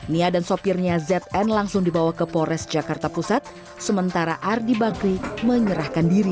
nia dan sopirnya zn langsung dibawa ke polres jakarta pusat sementara ardi bakri menyerahkan diri